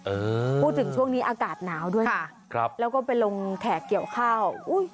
พูดถึงช่วงนี้อากาศหนาวด้วยค่ะครับแล้วก็ไปลงแขกเกี่ยวข้าวอุ้ย